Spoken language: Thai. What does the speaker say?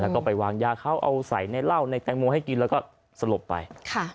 แล้วก็ไปวางยาเขาเอาใส่ในเหล้าในแตงโมให้กินแล้วก็สลบไป